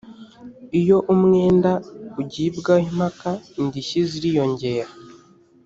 iyo umwenda ugibwaho impaka indishyi ziriyongera